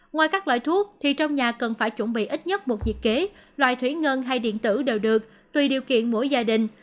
ngoài các loại thuốc thì trong nhà cần phải chuẩn bị ít nhất một thiệt kế loại thủy ngân hay điện tử đều được tùy điều kiện mỗi gia đình